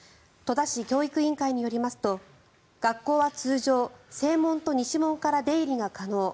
戸田市教育委員会によりますと学校は通常正門と西門から出入りが可能。